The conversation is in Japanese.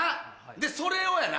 でそれをやな